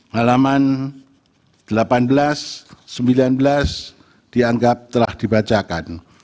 halaman delapan belas sembilan belas dianggap telah dibacakan